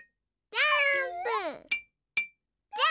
ジャーンプ！